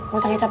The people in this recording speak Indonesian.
masa kecap lo